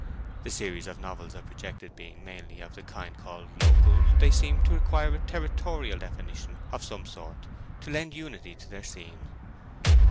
The series of novels I projected being mainly of the kind called local, they seemed to require a territorial definition of some sort to lend unity to their scene.